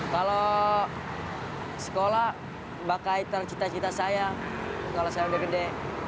kalau sekolah bakal cita cita saya kalau saya udah gede